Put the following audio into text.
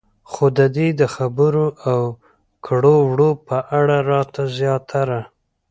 خو د دې د خبرو او کړو وړو په اړه راته زياتره